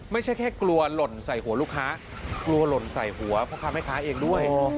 ไม่ใช่แค่กลัวหล่นใส่หัวลูกค้ากลัวหล่นใส่หัวพ่อค้าแม่ค้าเองด้วย